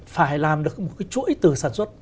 phải làm được một cái chuỗi từ sản xuất